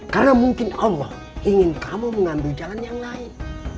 karena mungkin allah ingin kamu mengambil jalan yang lain